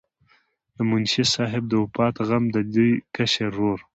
د منشي صاحب د وفات غم د دوي کشر ورور